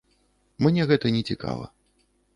Мне гэта не цікава.